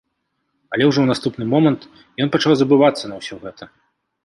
Але ўжо ў наступны момант ён пачаў забывацца на ўсё гэта.